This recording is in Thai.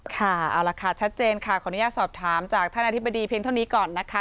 ค่ะเอาล่ะค่ะชัดเจนค่ะขออนุญาตสอบถามจากท่านอธิบดีเพียงเท่านี้ก่อนนะคะ